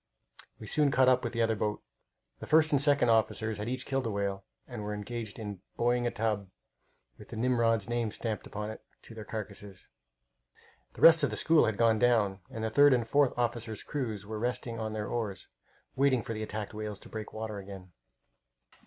We soon caught up with the other boat. The first and second officers had each killed a whale, and were then engaged in buoying a tub, with the Nimrod's name stamped upon it, to their carcasses. The rest of the school had gone down, and the third and fourth officers' crews were resting on their oars, waiting for the attacked whales to break water again.